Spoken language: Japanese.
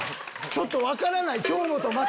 ちょっと分からない。